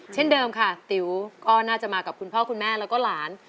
เช่นเดิมค่ะติ๋วก็น่าจะมากับคุณพ่อคุณแม่แล้วก็หลาน